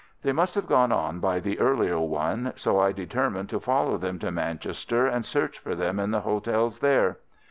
They must have gone on by the earlier one, so I determined to follow them to Manchester and search for them in the hotels there.